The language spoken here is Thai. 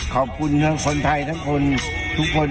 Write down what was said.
ขอบคุณคนไทยทั้งคุณ